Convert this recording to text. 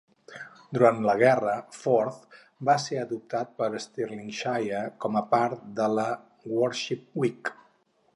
Durant la guerra, "Forth" va ser adoptat per Stirlingshire com a part de la "Warship Week".